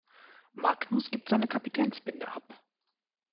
Magnus gibt seine Kapitänsbinde ab.